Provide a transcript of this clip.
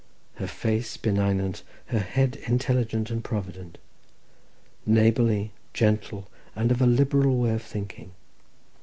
"Her face benignant, her head intelligent, and provident. "Neighbourly, gentle, and of a liberal way of thinking.